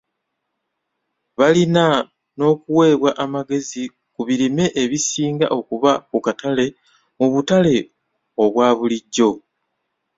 Balina n'okuweebwa amagezi ku birime ebisnga okuba ku katale mu butale obwa bulijjo.